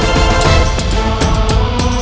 tidak sekarang disparas dulu